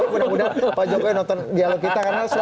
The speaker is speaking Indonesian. mudah mudahan pak jokowi nonton ini saya akan kasih link youtube nya